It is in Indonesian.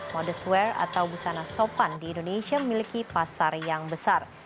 modest wear atau busana sopan di indonesia memiliki pasar yang besar